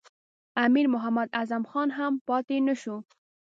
امیر محمد اعظم خان هم پاته نه شو.